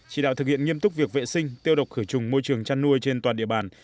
chỉ đạo thực hiện nghiêm túc việc vệ sinh tiêu độc khử trùng môi trường chăn nuôi trên toàn địa bàn